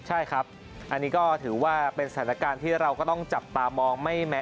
ใช่ครับอันนี้ก็ถือว่าเป็นสถานการณ์ที่เราก็ต้องจับตามองไม่แม้